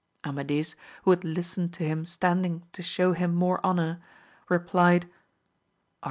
Amadis, who had listened to him standing to shew him more honour, replied, Ar.